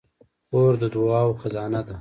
خور د دعاوو خزانه ده.